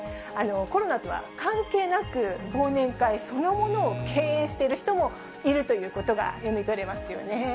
コロナとは関係なく、忘年会そのものを敬遠している人もいるということが読み取れますよね。